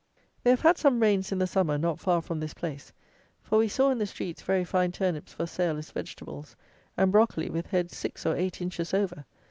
They have had some rains in the summer not far from this place; for we saw in the streets very fine turnips for sale as vegetables, and broccoli with heads six or eight inches over!